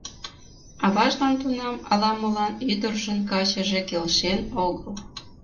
Аважлан тунам ала-молан ӱдыржын качыже келшен огыл.